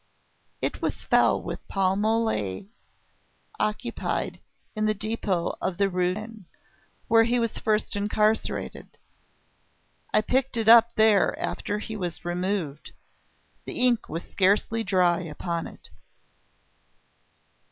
"It was found in the cell which Paul Mole occupied in the depot of the Rue de Tourraine, where he was first incarcerated. I picked it up there after he was removed ... the ink was scarcely dry upon it."